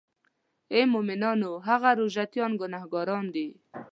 آی مومنانو هغه روژه تیان ګناهګاران دي.